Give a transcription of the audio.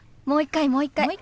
もう一回もう一回。